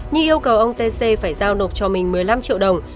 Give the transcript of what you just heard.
nhi yêu cầu ông t c phải giao nộp cho mình một mươi năm triệu đồng